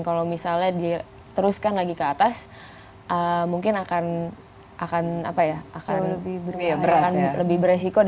kalau misalnya dia teruskan lagi ke atas mungkin akan akan apa ya akan lebih berat lebih beresiko